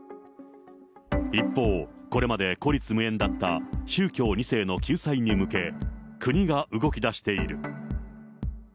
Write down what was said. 一方、これまで孤立無援だった宗教２世の救済に向け、国が動きだしている。